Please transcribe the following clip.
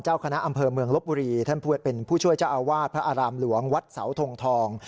คณะอำเภอเมืองลบบุรีท่านเป็นผู้ช่วยเจ้าอาวาสพระอารามหลวงวัดเสาทงทอง